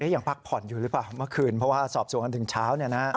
ยังพักผ่อนอยู่หรือเปล่าเมื่อคืนเพราะว่าสอบสวนกันถึงเช้า